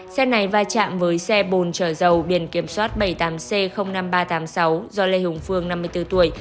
xe này va chạm với xe bồn chở dầu biển kiểm soát bảy mươi tám c năm nghìn ba trăm tám mươi sáu do lê hùng phương năm mươi bốn tuổi